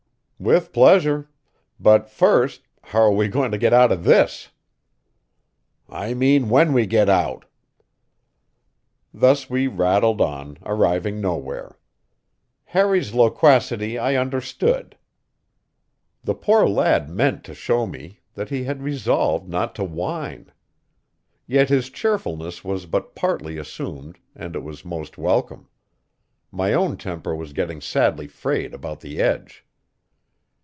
"With pleasure. But, first, how are we going to get out of this?" "I mean, when we get out." Thus we rattled on, arriving nowhere. Harry's loquacity I understood; the poor lad meant to show me that he had resolved not to "whine." Yet his cheerfulness was but partly assumed, and it was most welcome. My own temper was getting sadly frayed about the edge.